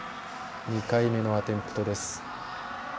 ２回目のアテンプト。